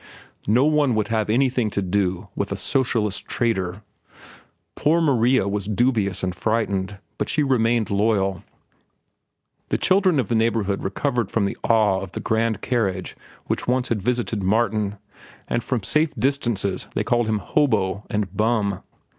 No one would have anything to do with a socialist traitor. Poor Maria was dubious and frightened, but she remained loyal. The children of the neighborhood recovered from the awe of the grand carriage which once had visited Martin, and from safe distances they called him "hobo" and "bum."